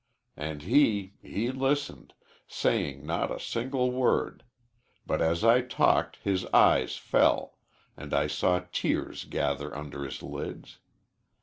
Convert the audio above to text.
"And he he listened, saying not a single word; but as I talked his eyes fell, and I saw tears gather under his lids.